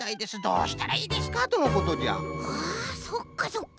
あそっかそっか。